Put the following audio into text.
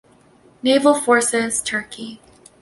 Naval Forces, Turkey.